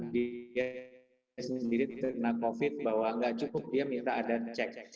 dia sendiri terkena covid bahwa nggak cukup dia minta ada cek